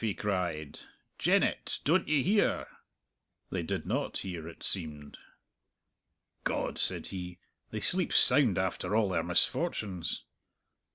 he cried, "Jennet! Don't ye hear?" They did not hear, it seemed. "God!" said he, "they sleep sound after all their misfortunes!"